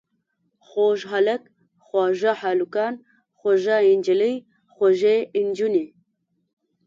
خوږ هلک، خواږه هلکان، خوږه نجلۍ، خوږې نجونې.